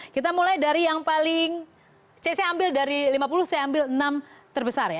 kita mulai dari yang paling cc ambil dari lima puluh saya ambil enam terbesar ya